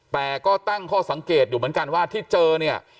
แต่ก็ตั้งข้อสังเกตอยู่เหมือนกันว่าที่เจอเนี่ย